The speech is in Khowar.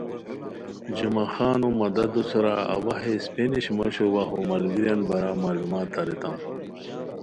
جمعہ خانو مددو سورا اوا ہے سپینش موشو وا ہو ملگیریان بارا معلومات اریتام